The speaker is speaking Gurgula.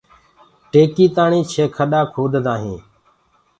ٽيڪيٚ تآڻي ڇي کڏآ کودآ هينٚ